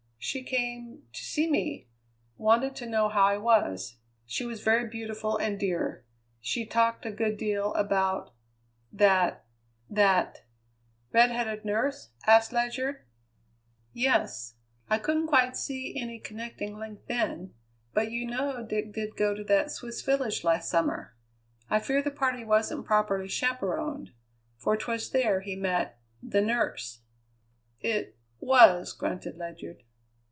"She came to see me; wanted to know how I was. She was very beautiful and dear. She talked a good deal about that that " "Redheaded nurse?" asked Ledyard. "Yes. I couldn't quite see any connecting link then, but you know Dick did go to that Swiss village last summer. I fear the party wasn't properly chaperoned, for 'twas there he met the nurse!" "It was!" grunted Ledyard.